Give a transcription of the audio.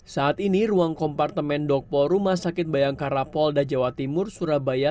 saat ini ruang kompartemen dokpol rumah sakit bayangkara polda jawa timur surabaya